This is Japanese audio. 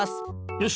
よし。